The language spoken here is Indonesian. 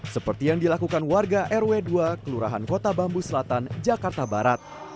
seperti yang dilakukan warga rw dua kelurahan kota bambu selatan jakarta barat